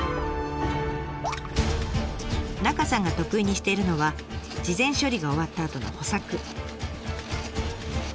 中さんが得意にしているのは事前処理が終わったあとの補作。